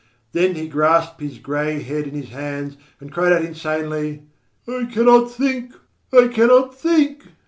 Then he grasped his grey head in his hands and cried out insanely: "I cannot think! I cannot think!"